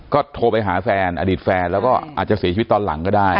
ก็โทรไปหาแฟนอดีตแฟนแล้วก็อาจจะเสียชีวิตตอนหลังก็ได้